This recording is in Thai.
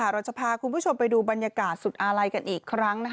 เราจะพาคุณผู้ชมไปดูบรรยากาศสุดอาลัยกันอีกครั้ง